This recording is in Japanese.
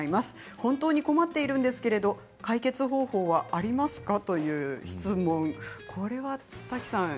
本当に困っているんですけど解決方法はありますかという質問。